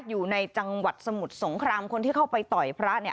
อยู่ในจังหวัดสมุทรสงครามคนที่เข้าไปต่อยพระเนี่ย